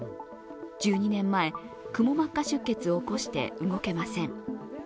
１２年前、くも膜下出血を起こして動けません。